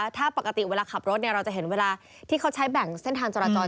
ถ้าปกติเวลาขับรถเราจะเห็นเวลาที่เขาใช้แบ่งเส้นทางจราจร